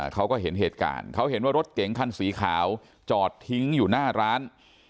เขาก็เห็นเหตุการณ์เขาเห็นว่ารถเก๋งคันสีขาวจอดทิ้งอยู่หน้าร้าน